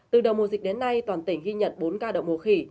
từ đầu mùa dịch đến nay toàn tỉnh ghi nhận bốn ca đậu mùa khỉ